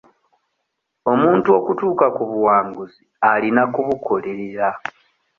Omuntu okutuuka ku buwanguzi alina kubukolerera.